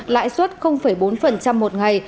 lãi suất bốn một ngày